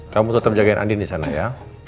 kamu tetap jagain andin disana ya